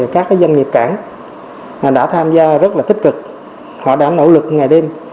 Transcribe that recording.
các doanh nghiệp cảng đã tham gia rất là tích cực họ đã nỗ lực ngày đêm